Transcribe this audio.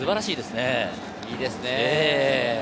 いいですね。